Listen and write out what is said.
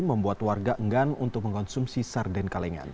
membuat warga enggan untuk mengkonsumsi sarden kalengan